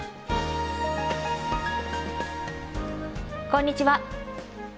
こんにちは。